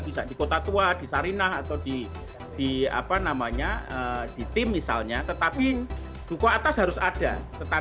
bisa di kota tua di sarinah atau di apa namanya di tim misalnya tetapi duku atas harus ada